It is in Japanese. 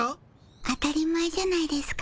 当たり前じゃないですか。